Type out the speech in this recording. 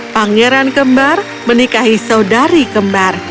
pangeran kembar menikahi saudari kembar